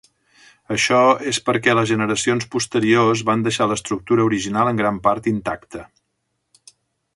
Això és perquè les generacions posteriors van deixar l'estructura original en gran part intacta.